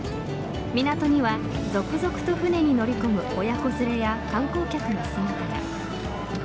港には、続々と船に乗り込む親子連れや観光客の姿が。